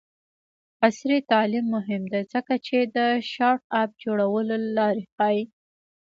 عصري تعلیم مهم دی ځکه چې د سټارټ اپ جوړولو لارې ښيي.